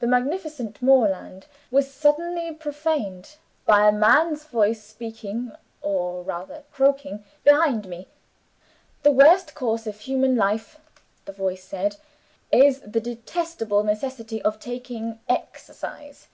The magnificent moorland silence was suddenly profaned by a man's voice, speaking (or rather croaking) behind me. 'The worst curse of human life,' the voice said, 'is the detestable necessity of taking exercise.